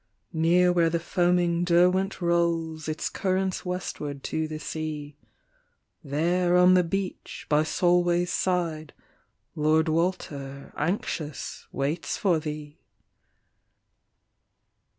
" Near where the foaming Derwent rolls Its"currents westward to the sea, There on the beach, by Solway's side, Lord Walter anxious waits for thee.